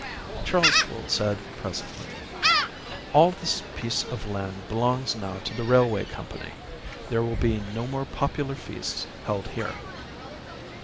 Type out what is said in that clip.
Charles Gould said presently "All this piece of land belongs now to the Railway Company. There will be no more popular feasts held here."